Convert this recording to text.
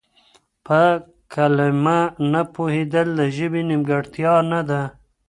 په کلمه نه پوهېدل د ژبې نيمګړتيا نه ده.